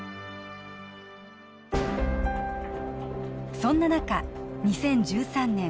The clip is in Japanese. そんな中２０１３年